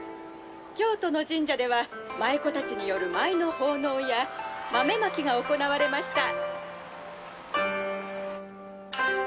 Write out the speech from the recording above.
京都の神社では舞妓たちによる舞の奉納や豆まきが行われました」。